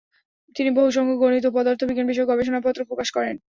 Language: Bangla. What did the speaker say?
তিনি বহুসংখ্যক গণিত ও পদার্থবিজ্ঞান বিষয়ক গবেষণাপত্র প্রকাশ করেন।